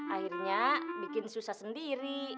akhirnya bikin susah sendiri